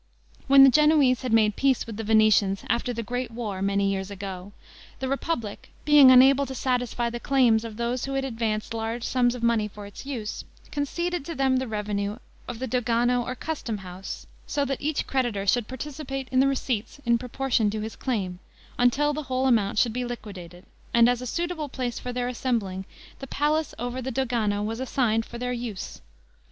When the Genoese had made peace with the Venetians, after the great war, many years ago, the republic, being unable to satisfy the claims of those who had advanced large sums of money for its use, conceded to them the revenue of the Dogano or customhouse, so that each creditor should participate in the receipts in proportion to his claim, until the whole amount should be liquidated, and as a suitable place for their assembling, the palace over the Dogano was assigned for their use.